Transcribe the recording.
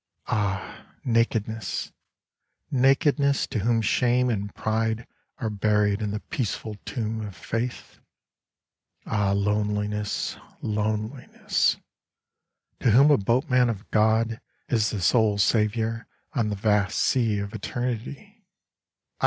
Ah, Nakedness ! Nakedness — ^to whom Shame and Pride are buried in the peaceful tomb of Faith ! Ah, Loneliness ! I^oneliness — ^to whom a boatman of God is the sole saviour on the vast Sea of Eternty i!